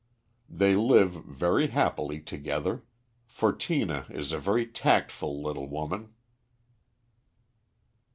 They live very happily together, for Tina is a very tactful little woman.